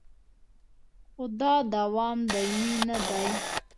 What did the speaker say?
خو دا دوام دایمي نه دی